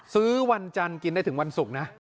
ซื้อวันจันทบุรีกินได้ถึงวันศุกร์นะ